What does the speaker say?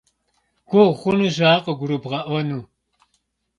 Гугъу хъунущ ар къыгурыбгъэӏуэну.